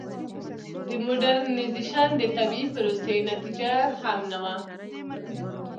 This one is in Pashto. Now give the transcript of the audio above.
د موډرنیزېشن د طبیعي پروسې نتیجه هم نه وه.